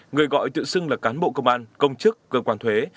người gọi tự xưng là cán bộ công an công chức cơ quan thuế